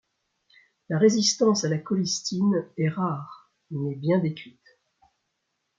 La résistance à la colistine est rare mais bien décrite.